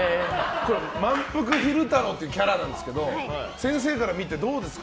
まんぷく昼太郎というキャラなんですけど先生から見てどうですか？